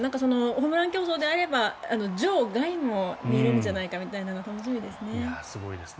ホームラン競争であれば場外も見れるんじゃないかみたいな楽しみですね。